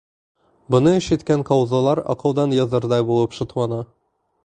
Быны ишеткән ҡауҙылар аҡылдан яҙырҙай булып шатлана.